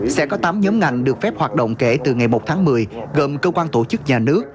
sẽ có tám nhóm ngành được phép hoạt động kể từ ngày một tháng một mươi gồm cơ quan tổ chức nhà nước